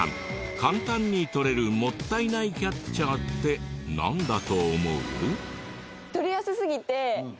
簡単に取れるもったいないキャッチャーってなんだと思う？